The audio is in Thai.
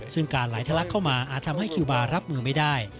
ซึ่งการไหลทะลักเข้ามาอาจทำให้คิวบาร์รับมือไม่ได้